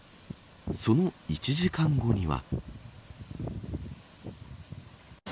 その１時間後には。